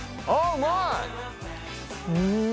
うまい！